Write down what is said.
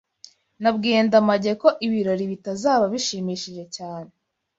Nabwiye Ndamage ko ibirori bitazaba bishimishije cyane.